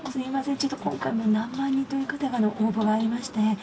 ちょっと今回も何万人という方から応募がありまして。